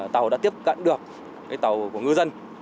tàu đã tiếp cận được tàu của ngư dân